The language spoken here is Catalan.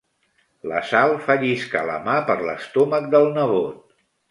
La Sal fa lliscar la mà per l'estómac del nebot.